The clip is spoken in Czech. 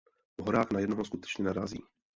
V horách na jednoho skutečně narazí.